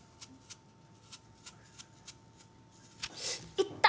いった！